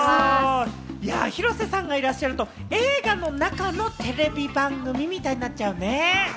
広瀬さんがいらっしゃると、映画の中のテレビ番組みたいになっちゃうね。